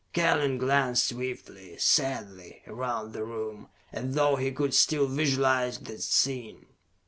Kellen glanced swiftly, sadly, around the room, as though he could still visualize that scene.